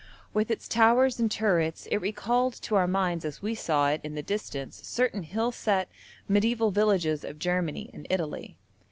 With its towers and turrets it recalled to our minds as we saw it in the distance certain hill set, mediæval villages of Germany and Italy.